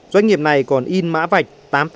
doanh nghiệp này còn in mã vạch tám trăm tám mươi năm